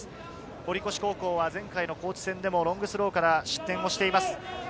堀越高校、前回の高知戦でもロングスローから失点しています。